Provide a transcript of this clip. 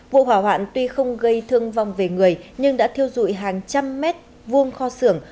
vụ hỏa hoạn tuy không gây thương vong về người nhưng đã thiêu dụi hàng trăm mét vuông kho xưởng